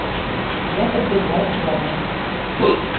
Я подбегал к бане.